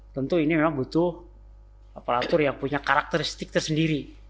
tentu ini memang butuh aparatur yang punya karakteristik tersendiri